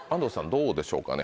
どうでしょうかね？